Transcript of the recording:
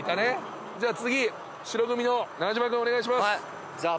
次白組の中島君お願いします。